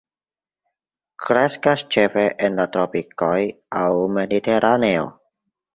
Kreskas ĉefe en la tropikoj aŭ mediteraneo.